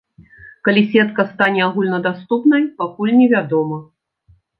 Калі сетка стане агульнадаступнай пакуль невядома.